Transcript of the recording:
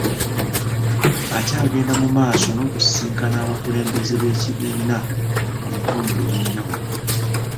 Akyagenda mu maaso n'okusisinkana abakulembeze b'ekibiina mu bitundu ebyenjawulo .